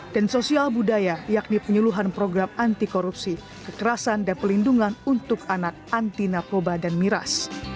dan sosial budaya yakni penyeluhan program anti korupsi kekerasan dan pelindungan untuk anak anti napobadan miras